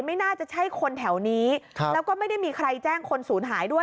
ไม่น่าจะใช่คนแถวนี้ครับแล้วก็ไม่ได้มีใครแจ้งคนศูนย์หายด้วย